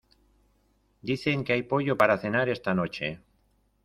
dicen que hay pollo para cenar esta noche.